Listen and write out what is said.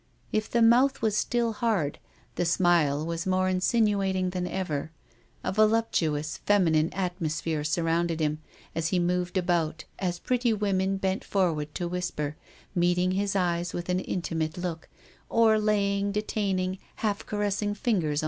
If the mouth was still hard, the smile was more insinuating than ever. A voluptuous feminize atmos phere surrounded him as he moved about. Pretty "women bent forward to whisper, THE WORLD WAQS OF. 287 meeting his eyes with an intimate look, or laying detaining, half caressing fingers on his arm.